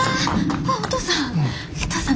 あっお父さん。